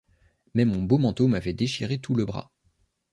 Mais mon beau manteau m'avait déchiré tout le bras.